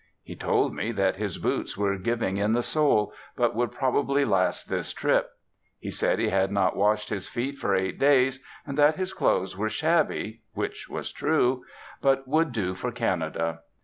He told me that his boots were giving in the sole, but would probably last this trip. He said he had not washed his feet for eight days; and that his clothes were shabby (which was true), but would do for Canada.